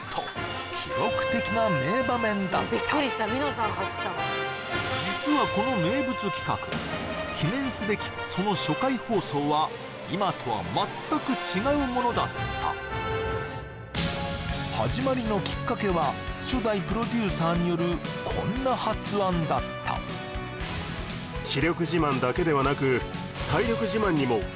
記録的な名場面だった実はこの名物企画記念すべきその初回放送は今とは全く違うものだった始まりのきっかけは初代プロデューサーによるこんな発案だったそうね